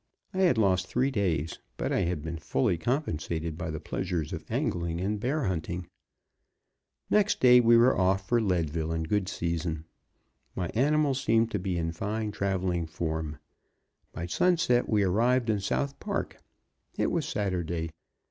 I had lost three days, but I had been fully compensated by the pleasures of angling and bear hunting. Next day we were off for Leadville in good season. My animals seemed to be in fine traveling form; by sunset we arrived in South Park. It was Saturday.